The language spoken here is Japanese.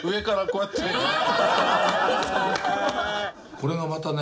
これがまたね